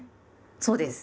そうです。